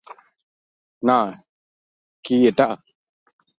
না কি এটা!